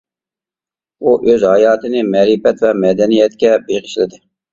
ئۇ ئۆز ھاياتىنى مەرىپەت ۋە مەدەنىيەتكە بېغىشلىدى.